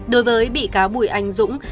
đối với bị cáo bùi anh dũng